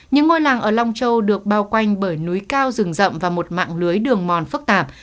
những ngôi làng ở long châu được bao quanh bởi núi cao rừng rậm và một mạng lưới đường mòn phức tạp